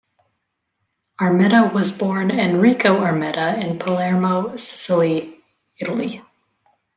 Armetta was born Enrico Armetta in Palermo, Sicily, Italy.